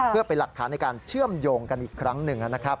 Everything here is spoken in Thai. เพื่อเป็นหลักฐานในการเชื่อมโยงกันอีกครั้งหนึ่งนะครับ